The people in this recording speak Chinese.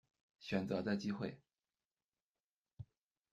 选择的机会